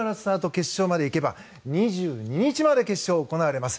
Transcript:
決勝まで行けば２２日まで、決勝が行われます。